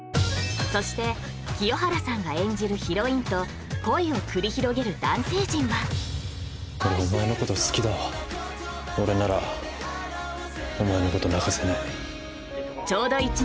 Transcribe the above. そして清原さんが演じるヒロインと恋を繰り広げる男性陣は俺お前のこと好きだわ俺ならお前のこと泣かせない